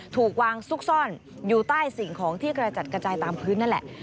ถูกวางซุกซ่อนอยู่ใต้สิ่งของที่กระจัดกระจายตามพื้นนั่นแหละ